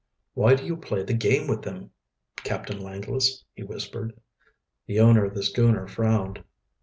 "Why do you play the game with them, Captain Langless?" he whispered. The owner of the schooner frowned.